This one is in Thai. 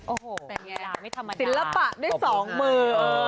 โอ้โหแต่มีชาติไม่ธรรมดาศิลปะด้วยสองมือเออ